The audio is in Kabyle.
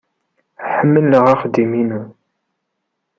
Ḥemmleɣ axeddim-inu.